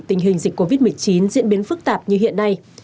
tình hình dịch covid một mươi chín diễn biến phức tạp như hiện nay